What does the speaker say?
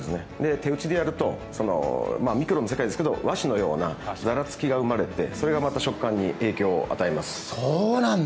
手打ちでやるとミクロの世界ですけど和紙のようなざらつきか生まれてそれがまた食感に影響を与えます。